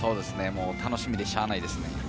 楽しみでしゃあないですね。